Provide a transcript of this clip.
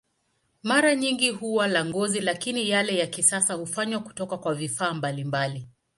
Mara nyingi huwa la ngozi, lakini yale ya kisasa hufanywa kutoka kwa vifaa mbalimbali.